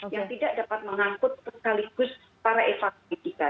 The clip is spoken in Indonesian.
yang tidak dapat mengangkut sekaligus para evaksisika